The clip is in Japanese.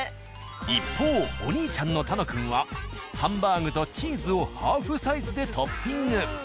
一方お兄ちゃんの楽くんはハンバーグとチーズをハーフサイズでトッピング。